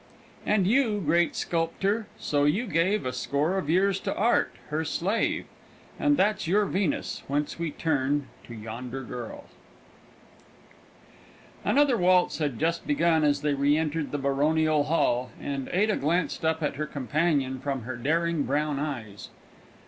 "And you, great sculptor, so you gave A score of years to Art, her slave, And that's your Venus, whence we turn To yonder girl " Another waltz had just begun as they re entered the Baronial Hall, and Ada glanced up at her companion from her daring brown eyes.